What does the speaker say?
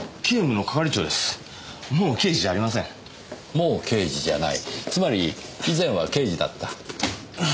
もう刑事じゃないつまり以前は刑事だった。